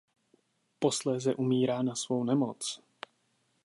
Posléze umírá na svou nemoc.